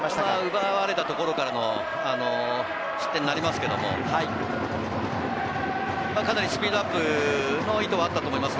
奪われたところからの失点になりますけど、かなりスピードアップの意図はあったと思います。